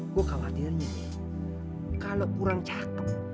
gue khawatirin ya kalo kurang cakep